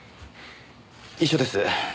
遺書です。